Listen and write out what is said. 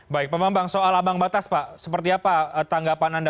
baik pak bambang soal abang batas pak seperti apa tanggapan anda